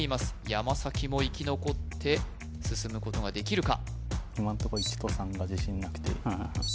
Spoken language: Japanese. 山も生き残って進むことができるか？